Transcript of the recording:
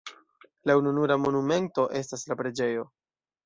La ununura monumento estas la preĝejo.